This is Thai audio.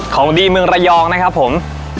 ของดีเมืองระยองนะครับผม